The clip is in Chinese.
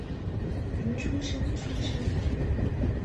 明诸生出身。